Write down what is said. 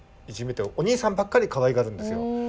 お兄さんばっかりかわいがるんですよ。